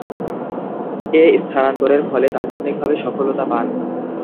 এ স্থানান্তরের ফলে তাৎক্ষণিকভাবে সফলতা পান।